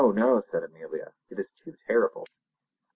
no!" said Amelia. "It is too terrible!"